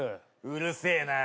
うるせえな。